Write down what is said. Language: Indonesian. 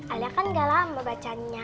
alia kan gak lama bacanya